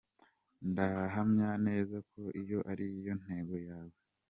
Ndahamya neza ko iyo ari yo ntego yawe.